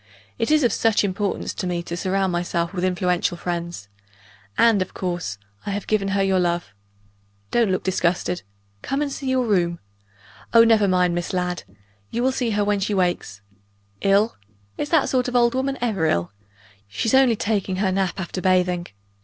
It is of such importance to me to surround myself with influential friends and, of course, I have given her your love. Don't look disgusted! Come, and see your room. Oh, never mind Miss Ladd. You will see her when she wakes. Ill? Is that sort of old woman ever ill? She's only taking her nap after bathing.